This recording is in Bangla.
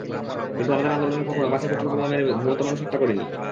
কিন্তু আমাদের আন্দোলনে কখনো বাসে পেট্রলবোমা মেরে ঘুমন্ত মানুষ হত্যা করিনি।